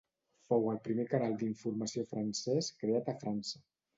Fou el primer canal d'informació francès creat a França.